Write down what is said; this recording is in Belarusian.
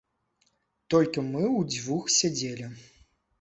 Толькі мы ўдзвюх сядзелі.